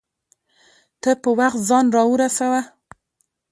ته په وخت ځان راورسوه